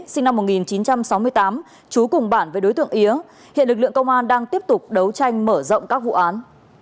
sinh năm một nghìn chín trăm sáu mươi tám chú cùng bản với đối tượng yến hiện lực lượng công an đang tiếp tục đấu tranh mở rộng các vụ án